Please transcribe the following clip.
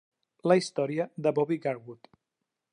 La història de Bobby Garwood.